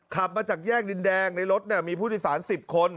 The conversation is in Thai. ขับมาจากแยกดินแดงในรถมีผู้โดยสาร๑๐คน